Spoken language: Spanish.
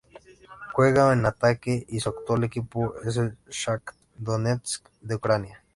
Juega en ataque y su actual equipo es el Shakhtar Donetsk de Ucrania.